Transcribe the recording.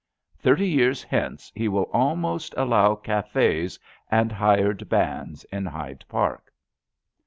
Thirty years hence he will almost allow cafes and hired bands in Hyde Park.